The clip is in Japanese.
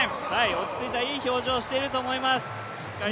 落ち着いたいい表情していると思います。